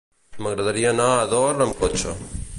M'agradaria anar a Ador amb cotxe.